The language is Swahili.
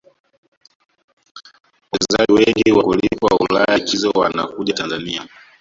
wachezaji wengi wakulipwa ulaya likizo wanakuja tanzania